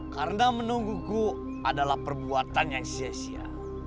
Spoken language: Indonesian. karena menungguku adalah perbuatan yang sia sia